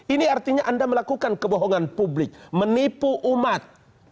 ini artinya anda melakukan kebohongan publik menipu umat